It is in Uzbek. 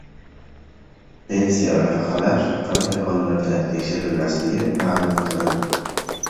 Pensiya va nafaqalar qanday hollarda tekshirilmasligi ma’lum qilindi